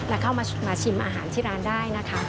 และเข้ามาชิมอาหารที่ร้านได้นะคะ